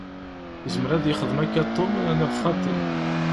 Izmer ad yexdem akka Tom, neɣ xaṭi?